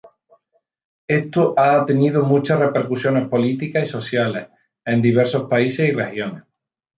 Esto ha tenido muchas repercusiones políticas y sociales en diversos países y regiones.